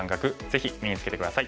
ぜひ身につけて下さい。